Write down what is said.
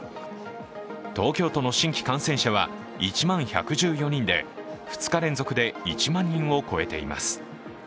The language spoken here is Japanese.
東京都の新規感染者は１万１１４人で２日連続で１万人を超えています。